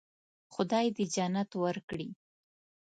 خدای دې جنت ورکړي.